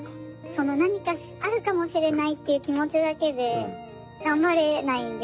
その何かあるかもしれないっていう気持ちだけで頑張れないんですよね。